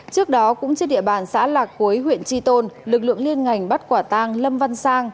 trước đó cũng trên địa bàn xã lạc quế huyện tri tôn lực lượng liên ngành bắt quả tăng lâm văn sang